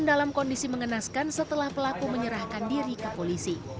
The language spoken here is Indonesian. petugas menemukan korban dalam kondisi mengenaskan setelah pelaku menyerahkan diri ke polisi